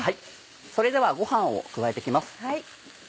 それではご飯を加えて行きます。